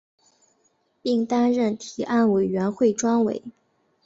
并担任提案委员会专委。